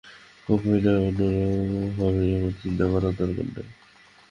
Compiler অন্য রকম হবে এমন চিন্তা করার দরকার নাই।